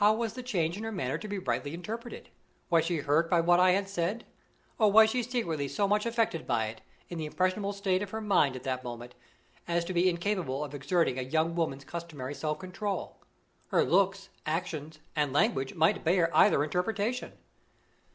How was the change in her manner to be rightly interpreted? Was she hurt by what I had said, or was she secretly so much affected by it, in the impressionable state of her mind at that moment, as to be incapable of exerting a young girl's customary self control? Her looks, actions, and language might bear either interpretation.